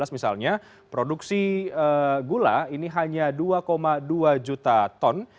misalnya produksi gula ini hanya dua dua juta ton